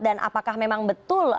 dan apakah memang betul